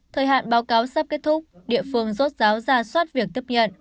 thời hạn báo cáo sắp kết thúc địa phương rốt ráo ra soát việc tiếp nhận